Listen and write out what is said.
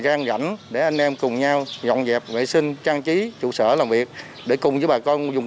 gan rãnh để anh em cùng nhau dọn dẹp vệ sinh trang trí trụ sở làm việc để cùng với bà con dùng